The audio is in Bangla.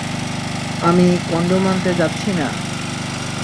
আমি কনডম আনতে যাচ্ছি না!